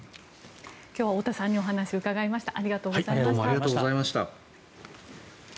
今日は太田さんにお話を伺いました。